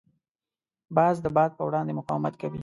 باز د باد په وړاندې مقاومت کوي